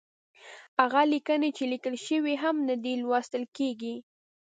هغه ليکنې چې ليکل شوې هم نه دي، لوستل کېږي.